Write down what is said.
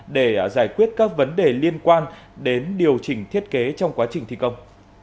để giải quyết các vấn đề liên quan đến điều chỉnh thiết kế trong quá trình thi công